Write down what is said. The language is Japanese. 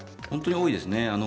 本当に多いですね。